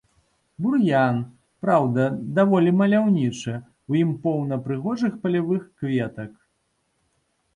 Бур'ян, праўда, даволі маляўнічы, у ім поўна прыгожых палявых кветак.